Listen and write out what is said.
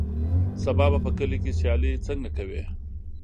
سبا به په کلي کې سیالۍ څنګه کوې.